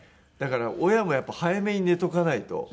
だから親もやっぱ早めに寝とかないと。